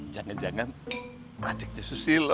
jangan jangan pak cik susilo